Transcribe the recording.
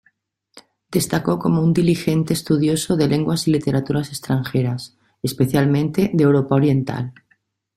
Destacó como un diligente estudioso de lenguas y literaturas extranjeras, especialmente de Europa Oriental.